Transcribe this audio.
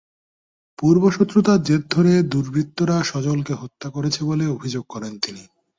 পূর্ব শত্রুতার জের ধরে দুর্বৃত্তরা সজলকে হত্যা করেছে বলে অভিযোগ করেন তিনি।